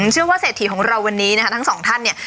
เชื่อว่าเศรษฐีของเราวันนี้นะคะทั้งสองท่านเนี่ย